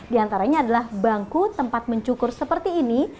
di antaranya adalah bangku tempat mencukur seperti ini